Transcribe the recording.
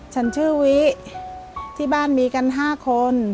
ฉันชื่อวิที่บ้านมีกัน๕คน